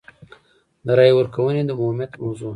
د رایې ورکونې د عمومیت موضوع.